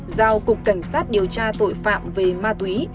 giao cục cảnh sát điều tra tội phạm về ma túy